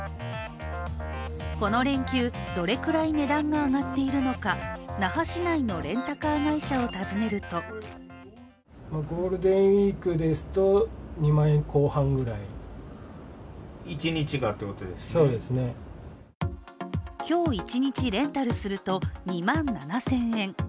この連休、どれくらい値段が上がっているのか、那覇市内のレンタカー会社を訪ねると今日１日レンタルすると、２万７０００円。